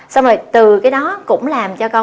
xong rồi từ cái đó cũng làm cho con